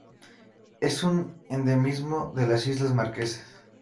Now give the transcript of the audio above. Es un endemismo de las islas Marquesas.